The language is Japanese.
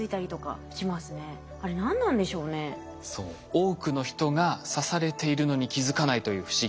多くの人が刺されているのに気付かないという不思議。